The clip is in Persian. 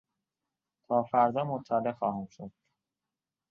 تا فردا مطلع خواهم شد.